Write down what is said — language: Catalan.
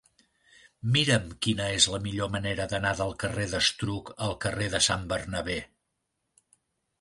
Mira'm quina és la millor manera d'anar del carrer d'Estruc al carrer de Sant Bernabé.